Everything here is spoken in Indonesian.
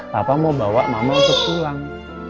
papa mau bawa mama untuk pulang